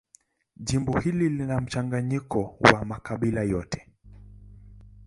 Jimbo hili lina mchanganyiko wa makabila yote.